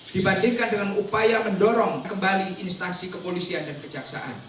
dibandingkan dengan upaya mendorong kembali instansi kepolisian dan kejaksaan